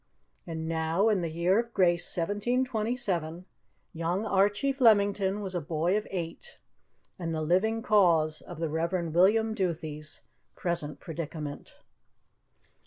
And now, in the year of grace 1727, young Archie Flemington was a boy of eight, and the living cause of the Rev. William Duthie's present predicament.